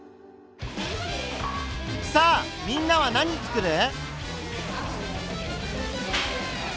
さあみんなは何つくる？